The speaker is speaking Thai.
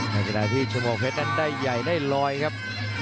ไม่ได้ที่ชมวกเพชรนั้นได้ใหญ่ได้ลอยครับ